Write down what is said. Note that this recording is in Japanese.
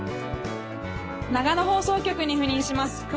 長野放送局に赴任します